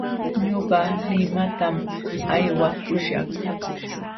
Ñuqa limatam aywakuśhaq.